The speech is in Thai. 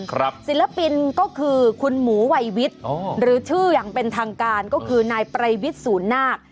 ครับสีระปินก็คือคุณหมูวัยวิทย์หรือชื่อยังเป็นทางการก็คือนายปรวิสสูรนา